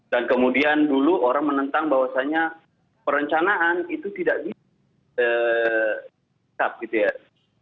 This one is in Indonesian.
dan kemudian dulu orang menentang bahwasannya perencanaan itu tidak bisa ditangkap